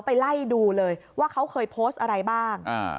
ไปไล่ดูเลยว่าเขาเคยโพสต์อะไรบ้าง